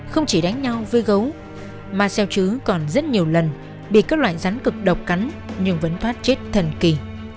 không chỉ đánh nhau với gấu ma xeo chứ còn rất nhiều lần bị các loại rắn cực độc cắn nhưng vẫn thoát chết thần kỳ